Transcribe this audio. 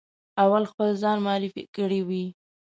اول خپل ځان معرفي کړی وي.